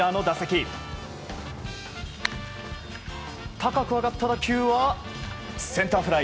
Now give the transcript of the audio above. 高く上がった打球はセンターフライ。